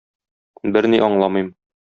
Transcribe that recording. Берни аңламыйм.